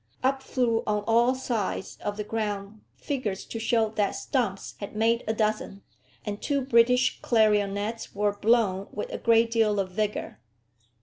Up flew on all sides of the ground figures to show that Stumps had made a dozen, and two British clarionets were blown with a great deal of vigour.